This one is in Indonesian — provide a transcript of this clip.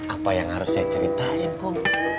apa yang harus saya ceritain kok